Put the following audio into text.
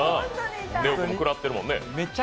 ＬＥＯ君も食らってるもんね。